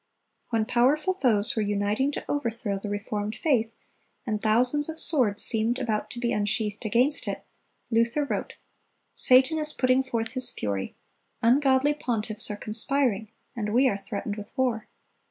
(308) When powerful foes were uniting to overthrow the reformed faith, and thousands of swords seemed about to be unsheathed against it, Luther wrote: "Satan is putting forth his fury; ungodly pontiffs are conspiring; and we are threatened with war.